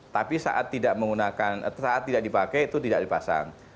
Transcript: tapi saat tidak dipakai itu tidak dipasang